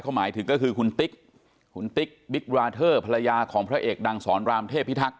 เข้าหมายถึงก็คือคุณติ๊กคุณติ๊กพระยาของพระเอกดังสอนรามเทพิทักษ์